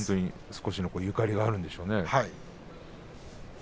少しゆかりがあるんでしょうね。